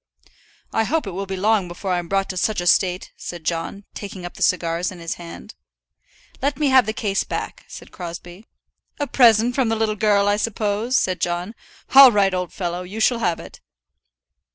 "I hope it will be long before I'm brought to such a state," said John, taking up the cigars in his hand. "Let me have the case back," said Crosbie. "A present from the little girl, I suppose?" said John. "All right, old fellow! you shall have it."